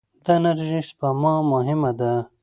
د انرژۍ سپما مهمه ده.